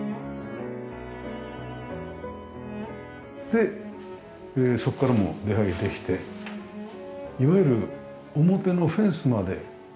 でそこからも出入りできていわゆる表のフェンスまで空間ですもんね。